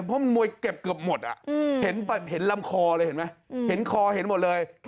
เพราะมันมวยเก็บเกือบหมดเห็นลำคอเลยเห็นไหมเห็นคอเห็นหมดเลย